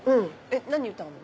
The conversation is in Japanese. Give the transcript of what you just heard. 何歌うの？